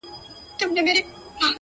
يو په ژړا سي چي يې بل ماسوم ارام سي ربه,